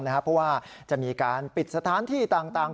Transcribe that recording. เพราะว่าจะมีการปิดสถานที่ต่าง